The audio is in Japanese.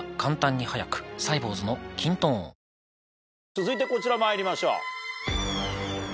続いてこちらまいりましょう。